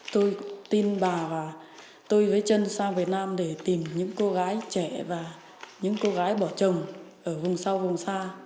tôi tin bà và tôi với trân sang việt nam để tìm những cô gái trẻ và những cô gái bỏ chồng ở vùng sau vùng xa